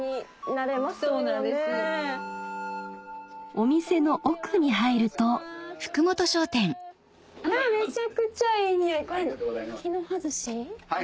お店の奥に入るとあっめちゃくちゃいい匂い。